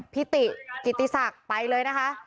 ติกิติศักดิ์ไปเลยนะคะ